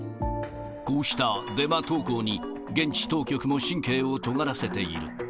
こうしたデマ投稿に現地当局も神経をとがらせている。